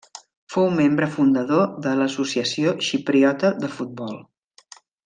Fou membre fundador de l'Associació Xipriota de Futbol.